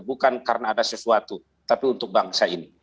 bukan karena ada sesuatu tapi untuk bangsa ini